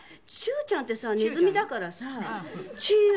チューちゃんってさネズミだからさチヨ。